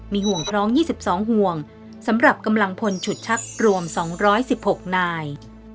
มีห่วงท้องยี่สิบสองห่วงสำหรับกำลังพลฉุดชักรวมสองร้อยสิบหกนาย